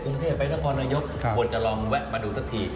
กรุงเทพไปนครนายกควรจะลองแวะมาดูสักที